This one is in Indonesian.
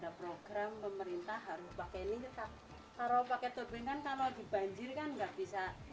kalau pakai turbin kan kalau dibanjir kan nggak bisa nyala